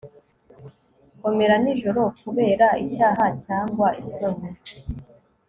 komera nijoro kubera icyaha cyangwa isoni